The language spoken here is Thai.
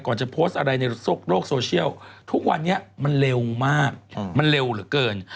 จะโพสต์อะไรในโลกโซเชียลทุกวันนี้มันเร็วมากมันเร็วเหลือเกิน